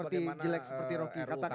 kita tahu seperti jelek seperti rocky katakan